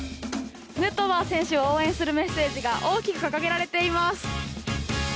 ヌートバー選手を応援するメッセージが大きく掲げられています。